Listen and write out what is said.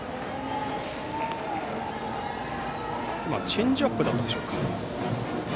チェンジアップだったでしょうか。